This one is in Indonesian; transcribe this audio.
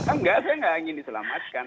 enggak saya nggak ingin diselamatkan